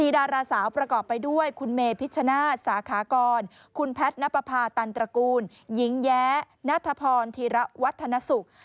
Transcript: ดาราสาวประกอบไปด้วยคุณเมพิชชนาศสาขากรคุณแพทย์นับประพาตันตระกูลหญิงแย้นัทพรธีระวัฒนสุข